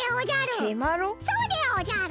そうでおじゃる。